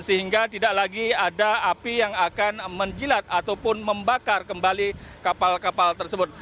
sehingga tidak lagi ada api yang akan menjilat ataupun membakar kembali kapal kapal tersebut